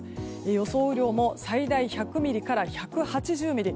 予想雨量も最大１００ミリから１８０ミリ。